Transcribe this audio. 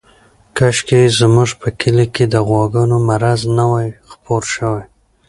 کاشکې زموږ په کلي کې د غواګانو مرض نه وای خپور شوی.